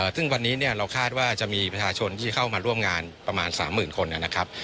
ซึ่งวันนี้เราคาดว่าจะมีประชาชนที่เข้ามาร่วมงานประมาณ๓๐๐๐คนนะครับ